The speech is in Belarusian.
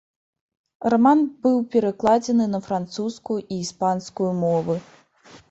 Раман быў перакладзены на французскую і іспанскую мовы.